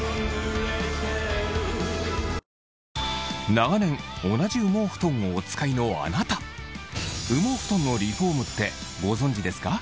長年同じ羽毛ふとんをお使いのあなた羽毛ふとんのリフォームってご存じですか？